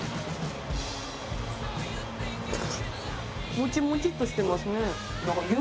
もちもちっとしてますね。